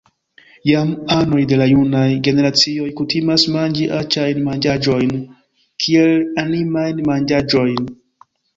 Jam anoj de la junaj generacioj kutimas manĝi aĉajn manĝaĵojn kiel “animajn manĝaĵojn.